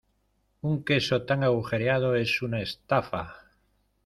¡Un queso tan agujereado es una estafa!